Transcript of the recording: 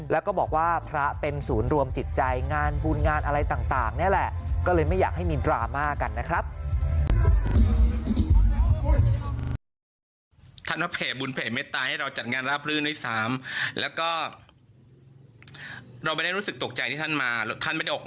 แล้วก็บอกว่าพระเป็นศูนย์รวมจิตใจงาน